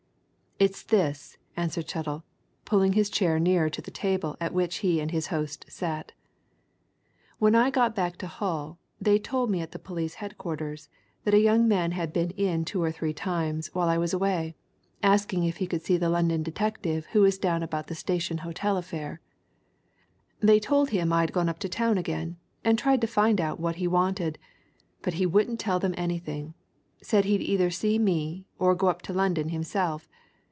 "It's this," answered Chettle, pulling his chair nearer to the table at which he and his host sat. "When I got back to Hull they told me at the police headquarters that a young man had been in two or three times, while I was away, asking if he could see the London detective who was down about the Station Hotel affair. They told him I'd gone up to town again, and tried to find out what he wanted, but he wouldn't tell them anything said he'd either see me or go up to London himself.